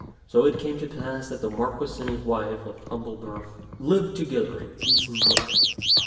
So it came to pass that the Mar quis and his wife of humble birth lived together in peace and joy.